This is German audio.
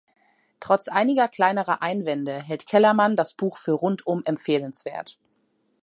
Trotz einiger kleinerer Einwände hält Kellermann das Buch für rundum empfehlenswert.